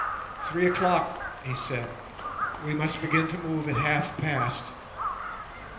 "Three o'clock," he said: "we must begin to move at half past."